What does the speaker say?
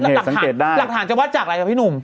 หลักฐานหลักฐานจะวัดจากอะไรครับพี่หนุ่ม